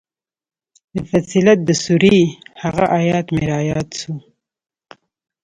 د فصلت د سورې هغه ايت مې راياد سو.